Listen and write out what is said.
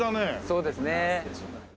そうですね。